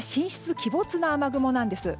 鬼没な雨雲なんです。